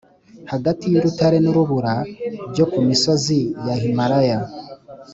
hagati y’urutare n’urubura byo ku misozi ya himalaya.